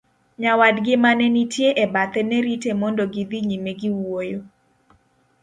nyawadgi manenitie e bathe ne rite mondo gi dhi nyime gi wuoyo